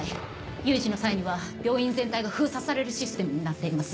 有事の際には病院全体が封鎖されるシステムになっています。